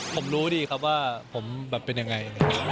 ผมรู้ดีครับว่าผมแบบเป็นยังไง